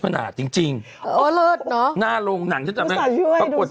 โอ้ยเลิศเนอะ